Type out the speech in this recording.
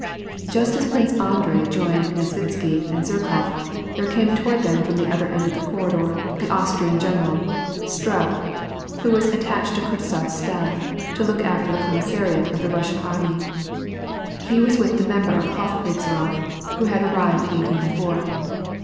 Just as Prince Andrei joined Nezvitsky and Zherkof, there came toward them from the other end of the corridor the Aus trian general, Strauch, who was attached to Kutuzof's staff, to look after the commissariat of the Russian army. He was with the member of the Hofkriegsrath, who had arrived the evening before.